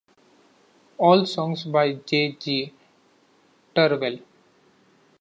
All songs by J. G. Thirlwell.